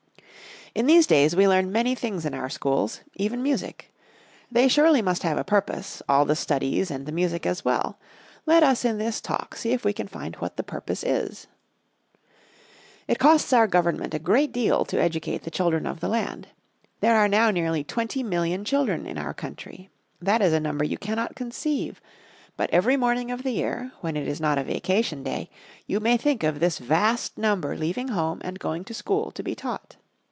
_ In these days we learn many things in our schools even music. They surely must have a purpose, all the studies and the music as well. Let us in this Talk see if we can find what the purpose is. It costs our Government a great deal to educate the children of the land. There are now nearly twenty million children in our country. That is a number you cannot conceive. But every morning of the year, when it is not a vacation day, you may think of this vast number leaving home and going to school to be taught.